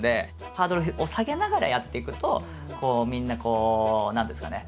ハードルを下げながらやっていくとこうみんな何ていうんですかね